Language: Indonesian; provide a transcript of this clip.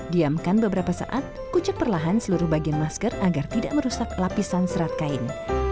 diamkan beberapa saat kucek perlahan seluruh bagian masker agar tidak merusak lapisan serat kain